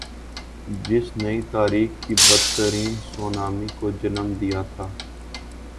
جس نی تاریخ کی بدترین سونامی کو جنم دیا تھا۔